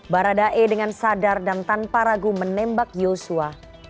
baradae dengan sadar dan tanpa ragu menembak yosua